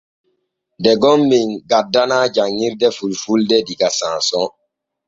Degon men gaddanaa janŋirde fulfulde diga S'ANSON.